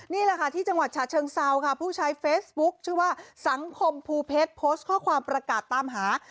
นี่แหละค่ะที่จังหวัดฉะเชิงเซาค่ะผู้ใช้เฟซบุ๊คชื่อว่าสังคมภูเพชรโพสต์ข้อความประกาศตามหา